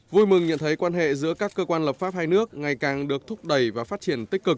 vui mừng nhận thấy quan hệ giữa các cơ quan lập pháp hai nước ngày càng được thúc đẩy và phát triển tích cực